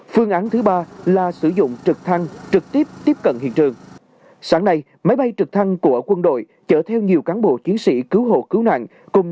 phương án thứ ba là sử dụng trực thăng trực tiếp tiếp cận hiện trường